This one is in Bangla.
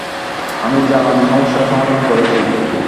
আমি জ্বালানী সমস্যার সমাধান করেছি।